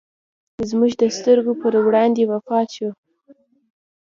زموږ د سترګو پر وړاندې وفات شو.